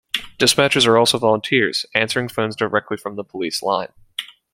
Dispatchers are also volunteers, answering phones directly from the police line.